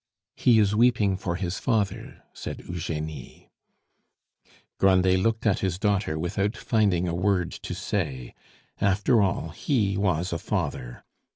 "He is weeping for his father," said Eugenie. Grandet looked at his daughter without finding a word to say; after all, he was a father.